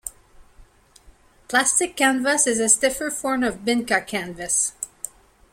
Plastic canvas is a stiffer form of Binca canvas.